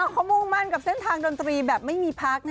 เขามุ่งมั่นกับเส้นทางดนตรีแบบไม่มีพัก